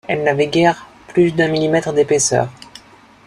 Elle n avait guère plus d’un millimètre d’épaisseur.